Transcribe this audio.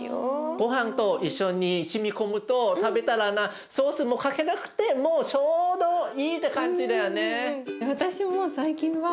ごはんと一緒にしみ込むと食べたらソースもかけなくてもちょうどいいって感じだよね。